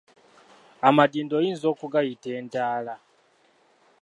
Amadinda oyinza okugayita entaala.